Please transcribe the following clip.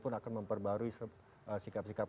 pun akan memperbarui sikap sikap